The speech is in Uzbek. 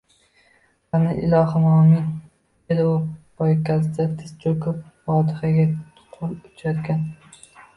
— Qani, ilohi omin, — dedi u poygakka tiz choʼkib, fotihaga qoʼl ocharkan.